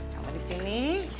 kamu di sini